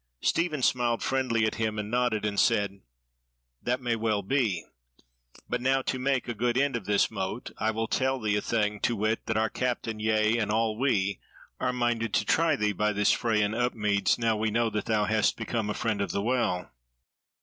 Stephen smiled friendly at him and nodded, and said: "That may well be; but now to make a good end of this mote I will tell thee a thing; to wit, that our Captain, yea, and all we, are minded to try thee by this fray in Upmeads, now we know that thou hast become a Friend of the Well.